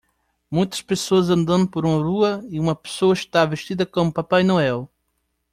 Muitas pessoas andando por uma rua e uma pessoa está vestida como Papai Noel.